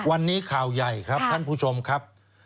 วันนี้ข่าวใหญ่ครับท่านผู้ชมครับ